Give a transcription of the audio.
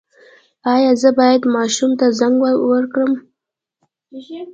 ایا زه باید ماشوم ته زنک ورکړم؟